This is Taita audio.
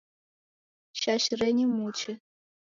Shashirenyi muche